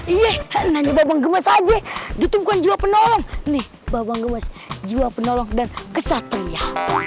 iya nanya bawang gemes aja itu bukan jiwa penolong nih bawang gemes jiwa penolong dan kesatria